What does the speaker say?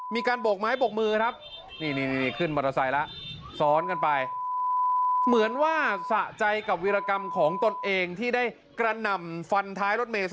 มีการโบกไม้ตกพลุคน้ำ